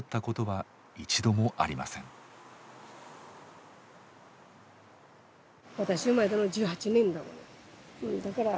私生まれたの１８年だもの。